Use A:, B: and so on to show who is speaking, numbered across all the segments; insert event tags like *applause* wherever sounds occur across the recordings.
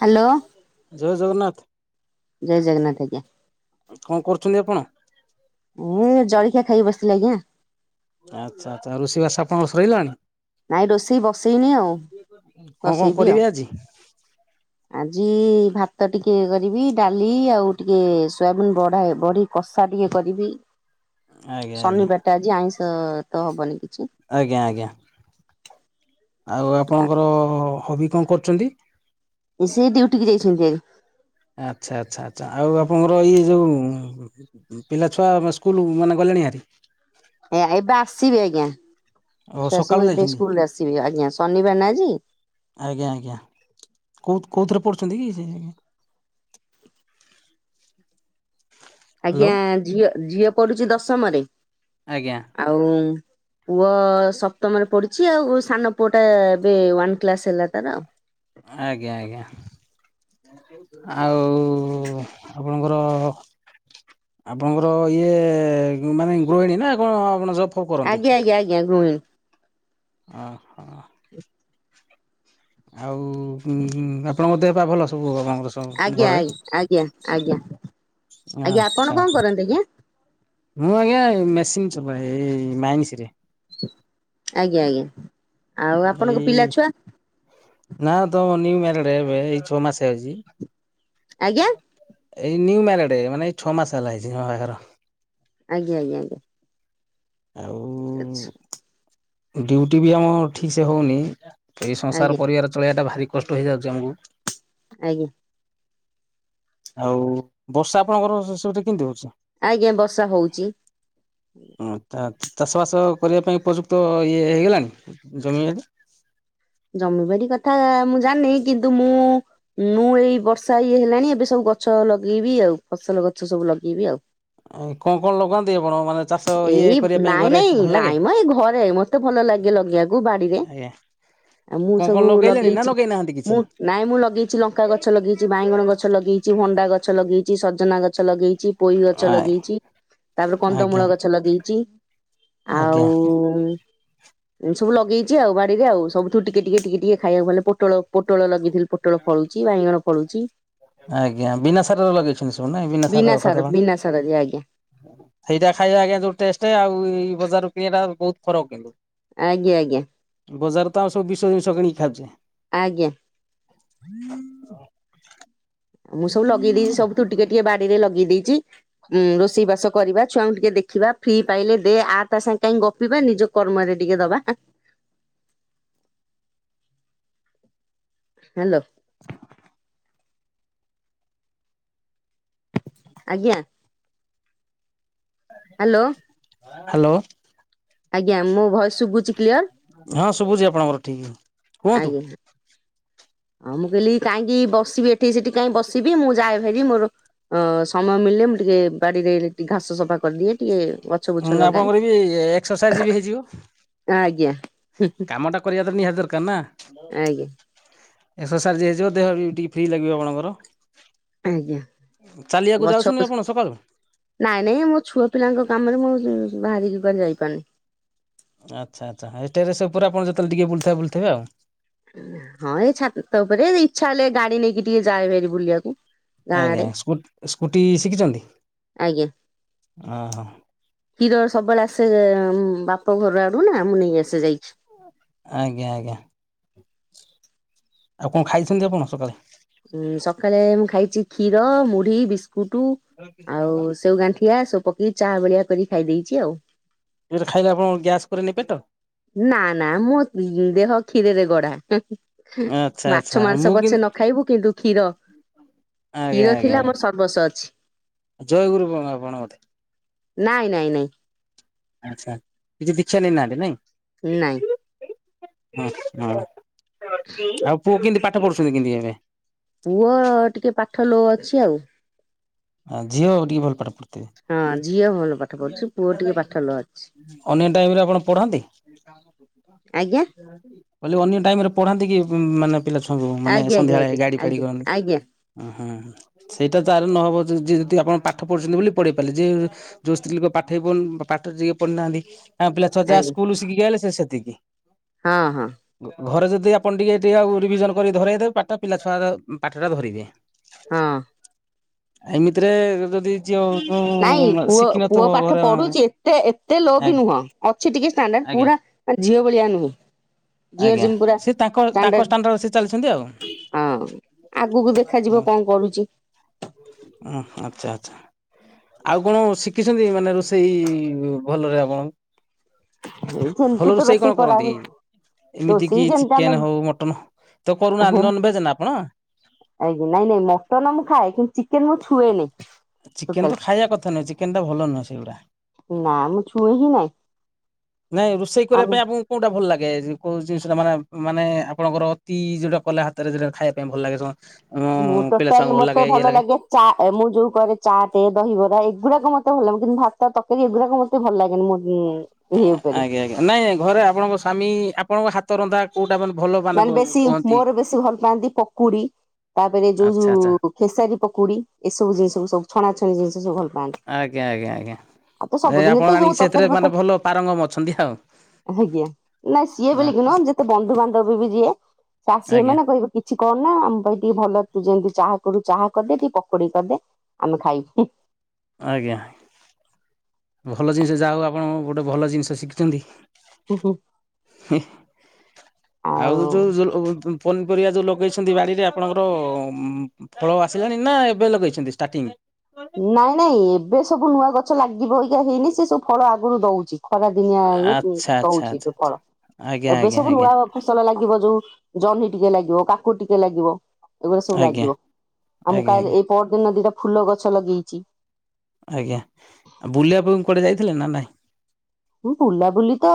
A: Hello.
B: ଜୟ ଜଗନ୍ନାଥ।
A: ଜୟ ଜଗନ୍ନାଥ ଆଜ୍ଞା।
B: କଣ କରୁଚନ୍ତି ଆପଣ?
A: ଉଁ ଜଳଖିଆ ଖାଇକି ବସିିଥିଲି ଆଜ୍ଞା।
B: ଆଚ୍ଛା ଆଛା ରୋଷେଇ ବାସ କଣ ସଇଲାଣି?
A: ନାଇଁ ରୋଷେଇ ବସେଇନି ଆଉ
B: କଣ କଣ
A: ବସେଇବି ଆଉ
B: କରିବେ ଆଜି?
A: ଆଜି ଭାତ ଟିକିଏ କରିବି ଡାଲି ଆଉ ଟିକିଏ ସୋୟାବିନ୍ ବଢା ବଡି। କଷା ଟିକିଏ କରିବି।
B: ଆଜ୍ଞା ଆଜ୍ଞା
A: ଶନିବାରଟା ଆଜି ଆଇଁଷ ତ ହବନି କିଛି।
B: ଆଜ୍ଞା ଆଜ୍ଞା ଆଉ ଆପଣଙ୍କର ହବି କଣ କରୁଛନ୍ତି?
A: ସେ ଡିଉଟିିକି ଯାଇଛନ୍ତି ଆଜ୍ଞା।
B: ଆଚ୍ଛା ଆଚ୍ଛା ଆଚ୍ଛା ଆଉ ଆପଣଙ୍କର ଇଏ ଯୋଉ ପିଲା ଛୁଆ ସ୍କୁଲ ମାନେ ଗଲେଣି ଭାରି?
A: ଏ ଏବେ ଆସିବି ଆଜ୍ଞା।
B: ଓ
A: ଛୁଆ
B: ସକାଳୁ
A: ସବୁ ଏବେ
B: ଯାଇଛନ୍ତି
A: ସ୍କୁଲରୁ ଆସିବେ। ଆଜ୍ଞା ଶନିବାର ନା ଆଜି।
B: ଆଜ୍ଞା ଆଜ୍ଞା କୋଉ କୋଉଥିରେ ପଢୁଚନ୍ତି କି ସେ? ହ୍ୟାଲୋ
A: ଆଜ୍ଞା ଝିଅ ଝିଅ ପଢୁଚି ଦଶମରେ
B: ଆଜ୍ଞା।
A: ଆଉ ପୁଅ ସପ୍ତମରେ ପଢୁଛି। ଆଉ ସାନ ପୁଅ ଟା ଏବେ ୱାନ କ୍ଲାସ ହେଲା ତାର।
B: ଆଜ୍ଞା ଆଜ୍ଞା। ଆଉ ଆପଣଙ୍କର ଆପଣଙ୍କର ଇଏ ମାନେ ଗୃହିଣୀ ନା କଣ ଆପଣ ସବ୍
A: ଆଜ୍ଞା ଆଜ୍ଞା ଆଜ୍ଞା ଗୃହିଣୀ।
B: ଅହ। ଆଉ ଉଁ ଆପଣଙ୍କ ଦେହ ପା ଭଲ? ସବୁ ବାବା ଆଙ୍କର ସବୁ
A: ଆଜ୍ଞା
B: ଘରେ
A: ଆଜ୍ଞା ଆଜ୍ଞା ଆଜ୍ଞା ଆଜ୍ଞା ଆପଣ
B: ଆଚଛା
A: କଣ
B: *unintelligible*
A: କରନ୍ତି ଆଜ୍ଞା?
B: ମୁଁ ଆଜ୍ଞା ମେସିନ୍ ଚଲାଏ ଏ ମାଇନ୍ସିରେ।
A: ଆଜ୍ଞା ଆଜ୍ଞା। ଆଉ ଆପଣଙ୍କ ପିଲା
B: ଏଇ
A: ଛୁଆ
B: ନା ତ ନିଉ ମ୍ଯାରେଡେ ଏବେ ଏଇ ଛଅ ମାସେ ହେଉଚି।
A: ଆଜ୍ଞା
B: ଏଇ ନ୍ୟୁ ମ୍ଯାରେଡେ ମାନେ ଏଇ ଛଅ ମାସ ହେଲା ହେଇଚି ଝିଅ ବାହାଘର।
A: ଆଜ୍ଞା ଆଜ୍ଞା ଆଜ୍ଞା।
B: ଆଉ
A: ଠିକ୍ ଅଛି।
B: ଡ୍ୟୁଟି ବି ଆମ ଠିକ୍ସେ ହୋଉନି। ଏଇ ସଂସାର
A: ଆଜ୍ଞା
B: ପରିବାର ଚଳେଇବାଟା ଭାରି କଷ୍ଟ ହେଇଯାଉଚି ଆମକୁ।
A: ଆଜ୍ଞା।
B: ଆଉ ବର୍ଷା ଆପଣଙ୍କର ସେ ସବୁ ପଟେ କେମିତି ହୋଉଚି?
A: ଆଜ୍ଞା ବର୍ଷା ହୋଉଚି।
B: ହଁ ଚା ଚାଷବାସ କରିବା ପାଇଁ ଉପଯୁକ୍ତ ଇଏ ହେଇଗଲାଣି ଜମି
A: ଜମିବାଡି କଥା ମୁଁ ଜାଣିନି। କିନ୍ତୁ ମୁଁ ନୁ ଏଇ ବର୍ଷା ଇଏ ହେଲାଣି ଏବେ ସବୁ ଗଛ ଲଗେଇବି ଆଉ। ଫସଲ ଗଛ ସବୁ ଲଗେଇବି ଆଉ
B: କଣ କଣ ଲଗାନ୍ତି ଆପଣ ମାନେ ଚାଷ ଇଏ
A: ଏଇ
B: କରିବା ପାଇଁ
A: ନାଇଁ
B: ଘରେ
A: ନାଇଁ
B: ଭଲ ଲାଗେ?
A: ନାଇଁ ମ ଏ ଘରେ ମ ମତେ ଭଲ ଲାଗେ ଲଗେଇବାକୁ ବାଡିରେ
B: ଆଜ୍ଞା
A: ଆଉ ମୁଁ
B: କଣ କଣ
A: ସବୁ
B: ଲଗେଇଲେଣି ନା
A: ଲଗେଇଚି।
B: ଲଗେଇ ନାହାନ୍ତି କିଛି?
A: ମୁଁ ନାଇଁ ମୁଁ ଲଗେଇଚି ଲଙ୍କା ଗଛ ଲଗେଇଚି ବାଇଗଣ ଗଛ ଲଗେଇଚି ଭଣ୍ଡା ଗଛ ଲଗେଇଚି ସଜନା ଗଛ ଲଗେଇଚି। ପୋଇ ଗଛ
B: ଆ
A: ଲଗେଇଚି ତାପରେ କନ୍ଦମୂଳ
B: ଆଜ୍ଞା
A: ଗଛ ଲଗେଇଚି।
B: ଆଜ୍ଞା।
A: ସବୁ ଲଗେଇଛି ଆଉ ବାଡିରେ ଆଉ ସବୁୁ ଟିକେ ଟିକେ ଟିକେ ଟିକେ ଖାଇବାକୁଲେ ପୋଟଳ ପୋଟଳ ଲଗେଇଥିଲି। ପୋଟଳ ଫଳୁଛି, ବାଇଗଣ ଫଳୁଛି।
B: ଆଜ୍ଞା ବିନା ସାର ରେ ଲଗେଇଛନ୍ତି ସବୁ ନାଇଁ ବିନା ସାର *unintelligible*
A: ସରଜି ଆଜ୍ଞା।
B: ସେଇଟା ଖାଇବା ଆଜ୍ଞା ଯୋଉ ଟେଷ୍ଟ ଆଉ ଏଇ ବଜାର କିଣିବା ଟା ବହୁତ ଫରକ୍।
A: ଆଜ୍ଞା ଆଜ୍ଞା।
B: ବଜାର ତ ଆଉ ସବୁ ବିଷ ଜିନିଷ କିଣିକି ଖାଉଛେ।
A: ଆଜ୍ଞା।
B: ହଁ
A: ମୁଁ ସବୁ ଲଗେଇ ଦେଇଛି ସବୁ ତୁ ଟିକେ ଟିକେ ବାଡିରେ ଲଗେଇ ଦେଇଛି। ଉଁ ରୋଷେଇ ବାସ କରିବା ଛୁଆଙ୍କୁ ଟିକେ ଦେଖିବା ଫ୍ରି ପାଇଲେ ଦେ ଆ ତା ସାଙ୍ଗେ କାହିଁ ଗପିବା ନିଜ କର୍ମରେ ଟିକେ ଦବା। ହ୍ୟାଲୋ। ଆଜ୍ଞା। ହ୍ୟାଲୋ।
B: ହ୍ୟାଲୋ।
A: ଆଜ୍ଞା ମୋ ଭଏସ ଶୁଭୁଛି କ୍ଲିୟର?
B: ହଁ ଶୁଭୁଛି ଆପଣଙ୍କର ଠିକ୍।
A: ଆଜ୍ଞ। ହଁ ମୁଁ କହିଲି କାହିଁକି ବସିବି ଏଠିକି ସେଠି କାଇଁ ବସିବି ମୁଁ ଯାଏ ହେରି ମୋର ଅ ସମୟ ମିଳିଲେ ମୁଁ ଟିକେ ବାଡିରେ ଟିକେ ଘାସ ସଫା କରିଦିଏ ଟିକେ। ଗଛ ବୁଛ
B: ହଁ
A: ଲଗାଏ।
B: ଆପଣଙ୍କର ବି ଏକ୍ସରସାଇଜ ବି ହେଇଯିବ
A: ଆଜ୍ଞା
B: କାମଟା। କରିବା ନିହାତି ଦରକାର ନା।
A: ଆଜ୍ଞା
B: ଏକ୍ସରସାଇଜ୍ ହେଇଯିବ ଦେହ ବି ଟିକେଏ ଫ୍ରି ଲାଗିବ ଆପଣଙ୍କର।
A: ଆଜ୍ଞା
B: ଚାଲିବାକୁ
A: ଗଛ
B: ଯାଉଛନ୍ତି ଆପଣ ସକାଳୁ?
A: ନାଇଁ ନାଇଁ ମୋ ଛୁଆ ପିଲାଙ୍କ କାମରେ ମୁଁ ବାହାରି କୁଆ ଯାଇପାରୁନି।
B: ଆଚ୍ଛା ଆଚ୍ଛା ଏଇତେଜେସ ପୁରା ଆପଣ ଯେତେଳେ ଟିକେ ବୁଲିଥେ ବୁଲୁଥିବେ ଆଉ।
A: ହଁ ଏଇ ଛାତ ଉପରେ ଇଚ୍ଛା ହେଲେ ଗାଡି ନେଇକି ଟିକେ ଯାଏହେରି ବୁଲିବାକୁ। ଗାଁ
B: ଆଜ୍ଞା
A: ଆଡେ।
B: ସ୍କୁ ସ୍କୁଟି ଶିଖିଛନ୍ତି
A: ଆଜ୍ଞା
B: ଓହୋ।
A: କ୍ଷୀର ସବୁବେଳେ ଆସେ ବାପ ଘର ଆଡୁ ନା ମୁଁ ନେଇ ଆସେ ଯାଇଛି।
B: ଆଜ୍ଞା ଆଜ୍ଞା। ଆଉ କଣ ଖାଇଛନ୍ତି ଆପଣ ସକାଳେ?
A: ଉଁ ସକାଳେ ମୁଁ ଖାଇଛି କ୍ଷୀର, ମୁଢି, ବିସ୍କୁଟ। ଆଉ ସେଉ ଗାଣ୍ଠିଆ ସବୁ ପକେଇକି ଚା ଭଳିଆ କରି ଖାଇ ଦେଇଛି ଆଉ।
B: ଖାଇଲେ ଆପଣ ଗ୍ୟାସ୍ କରେନି ପେଟ?
A: ନା ନା ମୋ ଦେହ କ୍ଷୀରରେ ଗଢା।
B: ଆଚ୍ଛା ଆଚ୍ଛା
A: ମାଛ, ମାଂସ
B: ମୁଁ
A: ପଛେ
B: କିନ୍ତୁ
A: ନ ଖାଇବୁ କିନ୍ତୁ କ୍ଷୀର।
B: ଆଜ୍ଞା
A: କ୍ଷୀର ଥିଲେ
B: ଆଜ୍ଞା
A: ଆମର ସର୍ବସ୍ୱ ଅଛି
B: ଜୟଗୁରୁ କଣ ଆପଣ ଗୋଧେ।
A: ନାଇଁ ନାଇଁ ନାଇଁ।
B: ଆଚ୍ଛା କିଛି ଦୀକ୍ଷା ନ ନେଇ ନାହାଁନ୍ତି ନାଇଁ?
A: ନାଇଁ।
B: ହ ହ ଆଉ ପୁଅ କେମତି ପାଠ ପଢୁଛନ୍ତି କେମତି ଏବେ?
A: ପୁଅ ଟିକେ ପାଠ ଲୋ ଅଛି ଆଉ।
B: ଝିଅ ଟିକେ ଭଲ ପାଠ ପଢ଼ଥିବେ।
A: ହଁ ଝିଅ ଭଲ। ପଢୁଛି ପୁଅ ଟିକେ ପାଠ ଲୋ ଅଛି।
B: ଅନ୍ୟ ଟାଇମରେ ଆପଣ ପଢାନ୍ତି।
A: ଆଜ୍ଞା।
B: ବୋଲି ଅନ୍ୟ ଟାଇମରେ ପଢାନ୍ତି କି? ମାନେ ପିଲା ଛୁଆଙ୍କୁ ମାନେ
A: ଆଜ୍ଞା ଆଜ୍ଞା
B: ସନ୍ଧ୍ୟାବେଳେ ଗାଡି
A: ଆଜ୍ଞା
B: ଫାଡି
A: ଆଜ୍ଞା
B: କରନ୍ତି।
A: ଆଜ୍ଞା
B: ହୁଁ ସେଇଟା ତାର ନହବ ଯ ଯଦି ଆପଣ ପାଠ ପଢୁଛନ୍ତି ବୋଲି ପଢେଇ ପାରିଲେ ଯିଏ ଯୋଉ ସ୍ତ୍ରୀ ଲୋକ ପଠେଇ ପ ପାଠ ଯିଏ ପଢିନାହାନ୍ତି, ତାଙ୍କ ପିଲାଛୁଆ
A: ଆଜ୍ଞା
B: ସ୍କୁଲରୁ ଯାହା ସିଖିକି ଆସିଲେ ସିଏ ସେତିକି। *inaudible*
A: ହଁ ହଁ।
B: ଘରେ ଯଦି ଆପଣ ଟିକେ ଟିକେ ଆଉ ରିଭିଜନ କରି ଧରେଇଦେବେ ପାଠ ପିଲା ଛୁଆ ଗୁରା ପାଠ ଟା ଧରିବେ।
A: ହଁ।
B: ଏମିତିରେ ଯଦି ଝିଅ *unintelligible* ଘରେ
A: ଆଜ୍ଞା,
B: ମାନଙ୍କରେ
A: ସେ ତାଙ୍କ
B: ଆଜ୍ଞା
A: ତାଙ୍କ ଷ୍ଟାଣ୍ଡାର୍ଡ
B: ଆଜ୍ଞା
A: ସେ ଚାଲିଛନ୍ତି ଆଉ।
B: ଆଜ୍ଞା ସେ ତାଙ୍କ ତାଙ୍କ ଷ୍ଟାଣ୍ଡାର୍ଡ ସିଏ ଚାଲିଛନ୍ତି ଆଉ।
A: ହଁ, ଆଗକୁ ଦେଖାଯିବ କଣ କରୁଛି।
B: ଓହୋ ଆଚ୍ଛା ଆଚ୍ଛା। ଆଉ କଣ ଶିଖିଛନ୍ତି? ମାନେ ରୋଷେଇ ଭଲରେ ଆପଣ।
A: ସେମିତି
B: ଭଲ
A: ତ
B: ରୋଷେଇ କଣ କରନ୍ତି?
A: କରାହୁଏ
B: ଏମିତି କି
A: ରୋଷେଇ ଯେମିତି ଆମେ
B: ଚିକେନ ହଉ ମଟନ ହଉ ତ କରୁନାହାନ୍ତି। ନନ୍ -ଭେଜ ନା ଆପଣ?
A: ଆଜ୍ଞ ନାଇଁ ନାଇଁ, ମଟନ ମୁଁ ଖାଏ କିନ୍ତୁ ଚିକେନ ମୁଁ ଛୁଏଁନି।
B: ଚିକେନ ତ ଖାଇବା କଥା ନୁହେଁ, ଚିକେନ ଟା ଭଲନୁହେଁ ସେଗୁଡା।
A: ନା, ମୁଁ ଛୁଇଁ ହିଁ ନାହିଁ।
B: ନାଇଁ ରୋଷେଇ କରିବା ପାଇଁ ଆପଣ କୋଉଟା ଭଲ ଲାଗେ। କୋଉ ଜିନିଷଟା ମାନେ ମାନେ ଆପଣଙ୍କର ଅତି ଯୋଉଟା କଲେ ହାତରେ ଯୋଉଟା ଖାଇବା ପାଇଁ ଭଲ ଲାଗେ ସ ଉଁ
A: ମୁଁ ଟୋଟାଲ ମତେ ଭଲ ଲାଗେ ଚା ମୁଁ ଯଉ କରେ ଚାଟେ ଦହିବରା ଏଗୁରାକ ମତେ ଭଲ କିନ୍ତୁ ଭାତ ତରକାରୀ ଏଗୁରାକ ମ ତେ ଭଲ ଲାଗେନି ମତେ।
B: ଆଜ୍ଞା ଆଜ୍ଞା, ନାଇଁ ଘରେ ଆପଣଙ୍କ ସ୍ବାମୀ ଆପଣଙ୍କ ହା
A: ମାନେ ବେଶୀ ମୋର ବେଶୀ ଭଲ ପାଆନ୍ତି ପକୁଡି ତାପରେ ଯୋଉ
B: ଆଚ୍ଛା ଆଚ୍ଛା
A: ଯୋଉ ଖେସାରୀ ପକୁଡି ଏ ସବୁ ଜିନିଷ ସୁବୁ ଛଣାଛଣି ଜିନିଷ ସବୁ ଭଲ ପାଆନ୍ତି।
B: ଆଜ୍ଞା ଆଜ୍ଞା ଆଜ୍ଞା
A: ଆଉ ତ
B: ଏ
A: ସବୁଦିନ ତ
B: ଆପଣ
A: ଯୋଉ
B: ଆଣିକି
A: ତରକାରୀ
B: ସେଥିରେ
A: ପତ୍ର
B: ମାନେ ଭଲ ପାରଙ୍ଗମ ଅଛନ୍ତି ଆଉ।
A: ଆଜ୍ଞା ନାଇଁ ସିଏ ବ
B: ହଁ
A: କିି ନହ ଯେତେ ବନ୍ଧୁବାନ୍ଧବ ବି ଯିଏ ସିଏ
B: ଆଜ୍ଞା
A: ମାନେ କହିବେ କି କିଛି କରନା ଆମ ପାଇଁ ଟିକେ ଭଲ ତୁ ଯେମିତି ଚାହା କରୁ ଚାହା କରିଦେ, ଟିକେ ପକୋଡି କରିଦେ, ଆମେ ଖାଇବୁ।
B: ଆଜ୍ଞା। ଭଲ ଜିନିଷ ଯାହା ହେଉ ଆପଣ ଗୋଟେ ଭଲ ଜିନିଷ ଶିଖୁଛନ୍ତି। ଆଉ ଯୋଉ *unintelligible* ପନିପରିବା ଯୋଉ ଲଗେଇଛନ୍ତି ବାଡ଼ିରେ ଆପଣଙ୍କର ଫଳ ଆସିଲାଣି ନା ଏବେ ଲଗେଇଛନ୍ତି ଷ୍ଟାର୍ଟିଂ?
A: ନାଇଁ ନାଇଁ ଏବେ ସବୁ ନୂଆ ଗଛ ଲାଗି ଏକା ହେଇନି, ସେ ସବୁ ଫଳ ଆଗରୁ ଦଉଛି। ଖରା ଦିନିଆ ଇଏ
B: ଆଚ୍ଛା ଆଚ୍ଛା
A: ଦଉଛି
B: ଆଚ୍ଛା
A: ଫଳ
B: ଆଚ୍ଛା। ଆଜ୍ଞା
A: ଏବେ
B: ଆଜ୍ଞା
A: ସବୁ
B: ଆଜ୍ଞା
A: ନୂଆ ଫସଲ ଲାଗିବ ଯୋଉ ଜହ୍ନି ଟିକେ ଲାଗିବ କାକୁଡି ଟିକେ ଲାଗିବ। ଏଗୁଡା ସବୁ
B: ଆଜ୍ଞା
A: ଲାଗିବ ଆଉ ମୁଁ
B: ଆଜ୍ଞା
A: କାଲି
B: ଆଜ୍ଞା
A: ଏଇ ପହରଦିନ ଦିଟା ଫୁଲ ଗଛ ଲଗେଇଛି।
B: ଆଜ୍ଞା ଆଉ ବୁଲିବା ପାଇଁ କୁଆଡେ ଯାଇଥିଲେ ନା ନାଇଁ?
A: ହଁ ବୁଲାବୁଲି ତ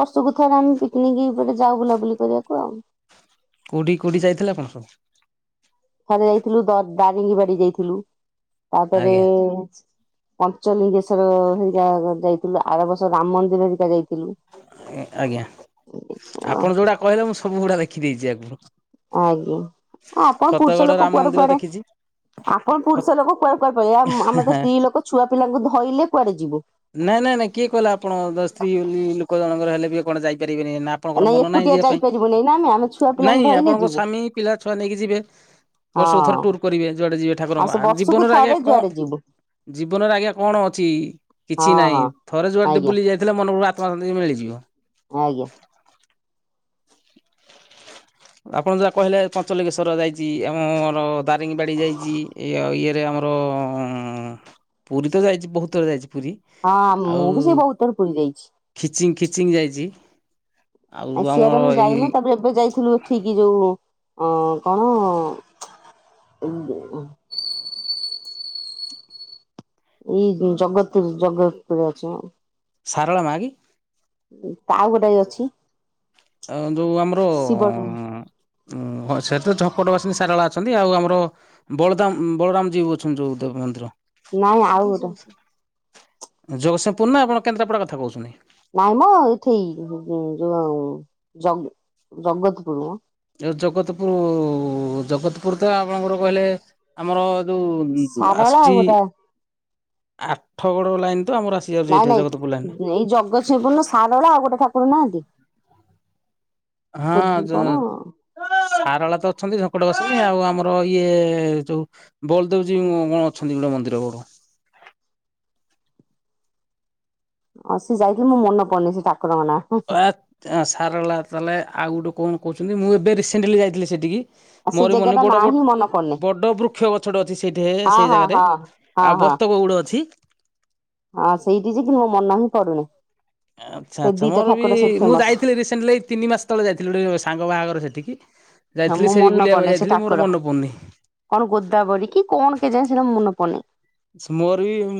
A: ବର୍ଷକୁ ଥରେ ଆମେ ପିକନିକ କୁଆଡେ ଯାଉ ବୁଲାବୁଲି କରିବାକୁ ଆଉ।
B: କଉଠି କଉଠି ଯାଇଥିଲେ ଆପଣ ସବୁ?
A: ଥରେ ଯାଇଥିଲୁ ଦ ଦାରିଙ୍ଗୀ ବାଡି ଯାଇଥିଲୁ ତାପରେ
B: ଆଜ୍ଞା
A: ପଞ୍ଚଲିଙ୍ଗେଶ୍ଵର ହେରିକା ଯାଇଥିଲୁ, ଆର ବର୍ଷ ରାମ ମନ୍ଦିର ହେରିକା ଯାଇଥିଲୁ।
B: ଆଜ୍ଞା, ଆପଣ ଯୋଉଗୁଡା କହିଲେ ମୁଁ ସବୁ ଗୁଡା ଦେଖିଦେଇଛି ଆଗୁରୁ।
A: ଆଜ୍ଞା, ଆପଣ ପୁରୁଷ ଲୋକ
B: ରାମ
A: କୁଆଡେ
B: ମନ୍ଦିର
A: କୁଆଡେ
B: ଦେଖିଛି
A: ଆପଣ ପୁରୁଷ ଲୋକ କୁଆଡେ କୁଆଡେ ପେଳେଇବେ, ଆ ଆମେତ ସ୍ତ୍ରୀ ଲୋକ ଛୁଆ ପିଲାଙ୍କୁ ଧରିଲେ କୁଆଡେ ଯିବୁ।
B: ନାଇଁ ନାଇଁ ନାଇଁ, କିଏ କିହିଲା ଆପଣଙ୍କୁ ଦ ସ୍ତ୍ରୀ ଲୋକ ଜଣଙ୍କର ହେଲେ ବି କଣ ଯାଇପାରିବେନି ନା ଆପଣଙ୍କର
A: ନାଇଁ
B: ମନ ନାହିଁ
A: ଏକୁଟିଆ
B: ଯିବା ପାଇଁ,
A: ଯାଇପାରିବୁନି ନା ଆମେ ଆମେ ଛୁଆ ପିଲାଙ୍କୁ
B: ନାଇଁ
A: ଧଇଲେ
B: ଆପଣଙ୍କ
A: ଯିବୁ
B: ସ୍ବାମୀ ପିଲା ଛୁଆ ନେଇକି ଯିବେ?
A: ହଁ
B: ବର୍ଷକୁ ଥରେ ଟୁୁର କରିବେ, ଯୁଆଡେ ଯିବେ
A: ଆଉ
B: ଠାକୁରଙ୍କ
A: ସେ
B: ଆ
A: ବର୍ଷକୁ
B: ଜୀବନରେ ଆଜ୍ଞା
A: ଥରେ
B: କଣ
A: ଯୁଆଡେ ଯିବୁ
B: ଜୀବନରେ ଆଜ୍ଞା କଣ ଅଛି?
A: ହଁ
B: କିଛି
A: ହଁ
B: ନାହିଁ, ଥରେ ଯୁଆଡେଟେ
A: ଆଜ୍ଞା
B: ବୁଲି ଯାଇ ସେ ମନବରୁ ଆତ୍ମଶାନ୍ତି ମିଳିଯିବ।
A: ଆଜ୍ଞା।
B: ଆପଣ ଯାହା କହିଲେ ପଞ୍ଚଲଙ୍ଗେଶ୍ଵର ଯାଇଛିଏବଂ ଆମର ଦାରିଙ୍ଗୀ ବାଡି ଯାଇଛି। ଇଉ ଇଏରେ ଆମର ପୁରୀ ତ ଯାଇଛି ବହୁତଥର ଯାଇଛି ପୁରୀ।
A: ହଁ ମୁଁ ବି ସେଇ ବହୁତ ଥର ପୁରୀ ଯାଇଛି।
B: ଖିଚିଙ୍ଗ ଖିଚିଙ୍ଗ ଯାଇଛି। ଆଉ
A: ଆ ସିଆଡରେ
B: ଆମର
A: ମୁଁ
B: ଏଇ
A: ଯାଇନୁ ତାପରେ। ଏବେ ଯାଇଥିଲୁ ଏଠିକି ଯୋଉ ଅ କଣ ଏଇ ଜଗତପୁର ଜଗତପୁର ଅଛିମ।
B: ସାରଳା ମାଆ।
A: ତା ଆଉ ଗୋଟାଏ ଅଛି।
B: ଆ ଯୋଉ ଆମର
A: ଶିବ
B: ଉଁ ସେଇଠି ତ ସଙ୍କଟ ବାସିନୀ ସାରଳା ଅଛନ୍ତି ଆଉ ଆମର। ବଳଦାମ ବଳରାମଜୀ ଜିଉ ଅଛନ୍ତି ଯୋଉ ମନ୍ଦିର।
A: ନାଇଁ ଆଉ ଗୋଟେ।
B: ଜଗତସିଂହପୁର ନା ଆପଣ କେନ୍ଦ୍ରାପଡ଼ା କଥା କହୁଛନ୍ତି?
A: ନାଇଁ ମ ଏଠି ଯୋଉ ଜ ଜଗତପୁର।
B: ଏ ଜଗତପୁର ଜଗତପୁର ତ ଆପଣଙ୍କର କହିଲେ ଆମର। ଯଉ
A: ଶାରଳା ଆଉ
B: ଆସୁଛି
A: ଗୋଟେ
B: ଆଠ ଗଡ ଲାଇନ ତ ଆମର ଆସ୍।
A: ନାଇଁ ନାଇଁ ଏଇ ଜଗତସିଂହପୁରଣ ସାରଳା ଆଉ ଗୋଟେ ଠାକୁର ନାହାନ୍ତି?
B: ହଁ
A: କୋଦୁ
B: ଯେ।
A: କଣ
B: ସାରଳା ତ ଅଛନ୍ତି ସଙ୍କଟ ବାସନୀ ଆଉ ଆମର ଇଏ ଯୋଉ। ବଉଳ ଦେବଯି କଣ ଅଛନ୍ତି ଗୋଟିଏ ମନ୍ଦିର।
A: ହଁ ସେଏ ଯାଇଥିଲି ମୁଁ ମନେ ପଡୁନି ସେ ଠାକୁରଙ୍କ ନାଁ।
B: ସାରଳା ତାହେଲେ ଆଉ ଗୋଟେ କଣ କହୁଛନ୍ତି ମୁଁ ଏବେ ରିସେଣ୍ଟଲି ଯାଇଥିଲି ସେଠିକି।
A: ଆ ସେ
B: ମୋର
A: ଜାଗା
B: ମନେ
A: ଟା ନାଁ
B: ବଡ
A: ହିଁ
B: ବଟ।
A: ମନେ ପଡୁନି
B: ବଡ ବୃକ୍ଷ ଗଛଟେ ଅଛି ସେଇଠି
A: ହଁ
B: ସେଇ
A: ହଁ
B: ଜାଗାରେ
A: ହଁ ହଁ
B: ଆଉ
A: ହଁ
B: ବତକ ଗୁଡେ ଅଛି।
A: ହଁ ସେଇଠି ଯେ କିନ୍ତୁ ମୋ ମନ ହିଁ ପଡୁନି।
B: ଆଚ୍ଛା
A: ସେ
B: ଆଚ୍ଛା
A: ଦିଟା
B: ମୋର ବି
A: ଠାକୁର ସେଇଠି
B: ମୁଁ
A: ଫେମସ
B: ଯାଇଥିଲି ରିସେଣ୍ଟଲି ଏଇ ତିନି ମାସ ତଳେ ଯାଇଥିଲି ଗୋଟେ ସାଙ୍ଗ ବାହାଘର ସେଠିକି।
A: ହଁ
B: ଯାଇଥିଲି
A: ମୁଁ
B: ସେଇ
A: ମନେ
B: ବୁଲିବାକୁ
A: ପଡୁନି ସେ
B: ଯାଇଥିଲି ମୋର
A: ଠାକୁର
B: ମନେ ପଡ଼ୁନି।
A: କଣ ଗୋଦ୍ଦାବରୀ କି କଣ କେଜାଣି ସେଇଟା ମୋର ମନେ ପଡୁନି।
B: ମୋର ବି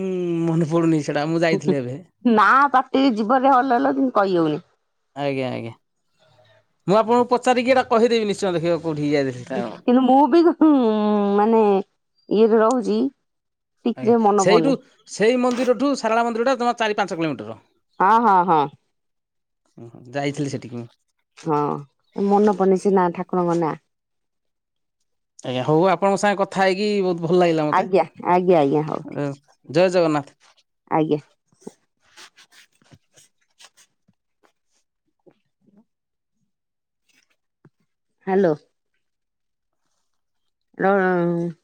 B: ମନେ ପଡୁନି ସେଟା ମୁଁ ଯାଇଥିଲି ଏବେ।
A: ନା ପାଟି ଜୀବରେ ହଲ ହଲ ହଉଚି କିନ୍ତୁ କହିହଉନି।
B: ଆଜ୍ଞା ଆଜ୍ଞା ମୁଁ ଆପଣଙ୍କୁ ପଚାରିକି ଏଇଟା କହିଦେବି ନିଶ୍ଚୟ ଦେଖିବ କଉଠିକି ଯାଇଥିଲି। ସେଟା।
A: କିନ୍ତୁ ମୁଁ ବି ମାନେ ଇଏରେ ରହୁଛି।
B: ଆଜ୍ଞା
A: ଟିକେ ମନେ ପଡୁନି
B: ସେଇଠୁ ସେଇ ମନ୍ଦିରଠୁ ସାରଳା ମନ୍ଦିର ଟା ଜମା ଚାରି ପାଞ୍ଚ କିଲୋମିଟର।
A: ହଁ ହଁ ହଁ।
B: ଉଁ ହୁଁ ଯାଇଥିଲି ସେଠିକି ମୁଁ।
A: ହଁ ମନପଡ଼ୁନି ସିନା ଠାକୁରଙ୍କ ନା।
B: ଆଜ୍ଞା, ହଉ ଆପଣଙ୍କ ସାଙ୍ଗେ କଥା ହେଇକି ବହୁତ ଭଲ ଲାଗିଲା ମତେ।
A: ଆଜ୍ଞା ଆଜ୍ଞା ଆଜ୍ଞା ହଉ ଠିକ
B: ଜୟ ଜଗନ୍ନାଥ।
A: ଆଜ୍ଞା। ହାଲୋ। *unintelligible*